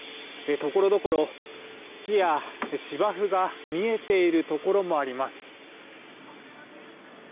ところどころ土や芝生が見えているところもあります。